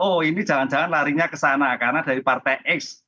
oh ini jangan jangan larinya ke sana karena dari partai x